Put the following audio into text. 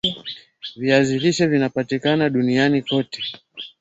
viazi lishe vinapatikana duniani kote